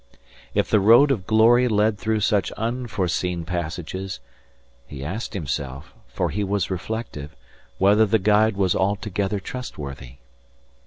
If the road of glory led through such unforeseen passages he asked himself, for he was reflective, whether the guide was altogether trustworthy.